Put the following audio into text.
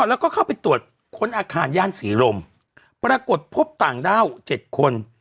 แล้วก็เข้าไปตรวจค้นอาคารย่านศรีลมปรากฏพบต่างด้าว๗คน